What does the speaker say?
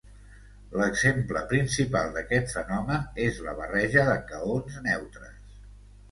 L'exemple principal d'aquest fenomen és la barreja de kaons neutres.